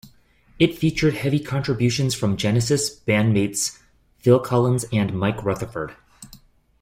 It featured heavy contributions from Genesis bandmates Phil Collins and Mike Rutherford.